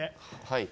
はい。